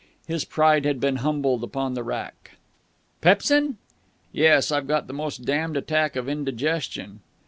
His pride had been humbled upon the rack. "Pepsin?" "Yes. I've got the most damned attack of indigestion."